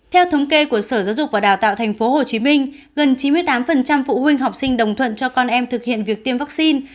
theo thống kê của sở giáo dục và đào tạo tp hcm gần chín mươi tám phụ huynh học sinh đồng thuận cho con em thực hiện việc tiêm vaccine